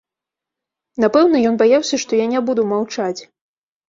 Напэўна, ён баяўся, што я не буду маўчаць.